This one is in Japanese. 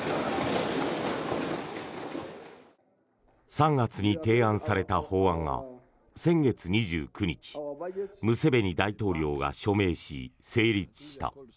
３月に提案された法案が先月２９日ムセベニ大統領が署名し成立した。